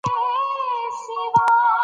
لښتې په خپلو شنو خالونو د ماښام رڼا حس کړه.